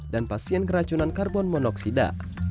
dan pasien keracunan karbon monoksida